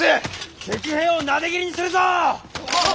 敵兵をなで斬りにするぞ！はっ。